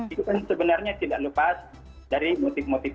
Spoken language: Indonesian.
itu kan sebenarnya tidak lepas dari motif motif